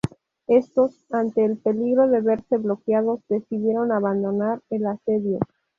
Estos, ante el peligro de verse bloqueados, decidieron abandonar el asedio.